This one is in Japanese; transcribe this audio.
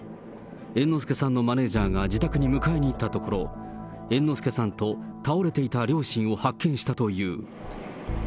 猿之助さんのマネージャーが自宅に迎えに行ったところ、猿之助さんと倒れていた両親を発見したという。